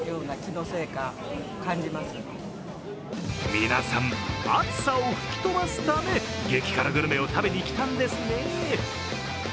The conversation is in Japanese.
皆さん、暑さを吹き飛ばすため激辛グルメを食べにきたんですね。